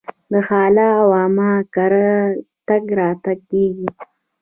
د خاله او عمه کره تګ راتګ کیږي.